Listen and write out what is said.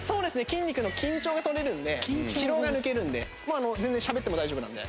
筋肉の緊張が取れるので疲労が抜けるのでもう全然しゃべっても大丈夫なので。